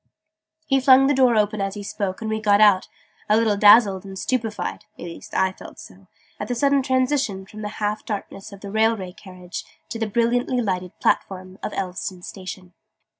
He flung the door open as he spoke, and we got out, a little dazzled and stupefied (at least I felt so) at the sudden transition from the half darkness of the railway carriage to the brilliantly lighted platform of Elveston Station.